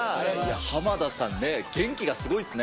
濱田さんね、元気がすごいですね。